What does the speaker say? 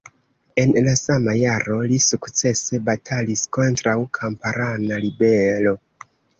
En la sama jaro li sukcese batalis kontraŭ kamparana ribelo.